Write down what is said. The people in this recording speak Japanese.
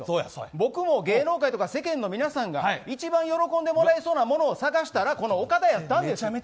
僕も芸能界とか世間の皆さんが一番喜んでもらえそうなものを探したら、岡田やったんです。